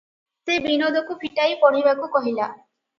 ସେ ବିନୋଦକୁ ଫିଟାଇ ପଢ଼ିବାକୁ କହିଲା ।